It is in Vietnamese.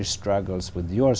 như giám đốc